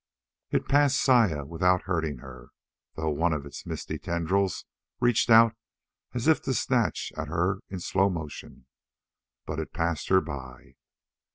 It passed Saya without hurting her, though one of its misty tendrils reached out as if to snatch at her in slow motion. But it passed her by.